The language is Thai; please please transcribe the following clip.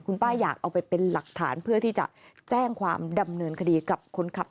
คุณป้าอยากเอาไปเป็นหลักฐานเพื่อที่จะแจ้งความดำเนินคดีกับคนขับ